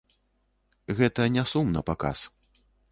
Гэта не сум напаказ.